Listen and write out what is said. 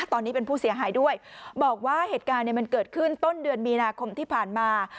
ตอนนี้เป็นผู้เสียหายด้วยบอกว่าเหตุการณ์มันเกิดขึ้นต้นเดือนมีนาคมที่ผ่านมา